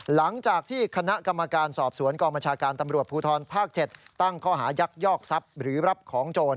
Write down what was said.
หลังจากที่คณะกรรมการสอบสวนกองบัญชาการตำรวจภูทรภาค๗ตั้งข้อหายักยอกทรัพย์หรือรับของโจร